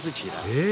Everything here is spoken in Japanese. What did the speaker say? え！